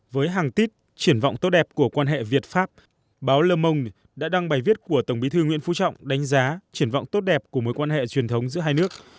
với hàng tít triển vọng tốt đẹp của quan hệ việt pháp báo le mone đã đăng bài viết của tổng bí thư nguyễn phú trọng đánh giá triển vọng tốt đẹp của mối quan hệ truyền thống giữa hai nước